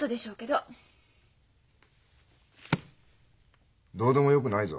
どうでもよくないぞ。